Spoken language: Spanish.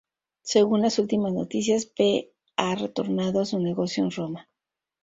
Según las últimas noticias P. ha retornado a su negocio en Roma.